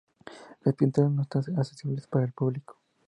Las pinturas no están accesibles para el público.